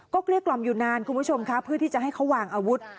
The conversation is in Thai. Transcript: เกลี้ยกล่อมอยู่นานคุณผู้ชมค่ะเพื่อที่จะให้เขาวางอาวุธ